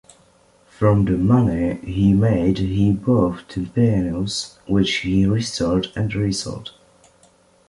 From the money he made he bought two pianos which he restored and resold.